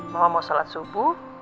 mama mau sholat subuh